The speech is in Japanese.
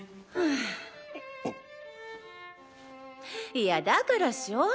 いやだからっしょ。